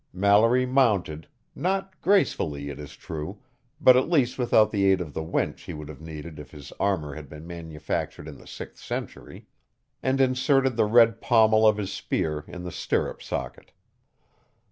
Mallory mounted not gracefully, it is true, but at least without the aid of the winch he would have needed if his armor had been manufactured in the sixth century and inserted the red pommel of his spear in the stirrup socket.